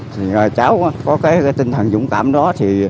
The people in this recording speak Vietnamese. thì kể cả cháu có cái tinh thần dũng cảm đó